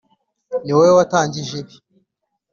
niwowe watangije ibi.